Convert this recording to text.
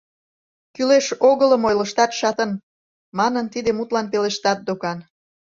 «Кӱлеш-огылым ойлыштат, шатын!» манын, тиде мутлан пелештат докан.